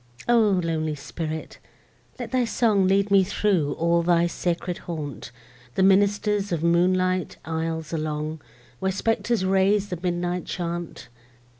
O lonely spirit! let thy song Lead me through all thy sacred haunt; The minister's moonlight aisles along, Where spectres raise the midnight chaunt.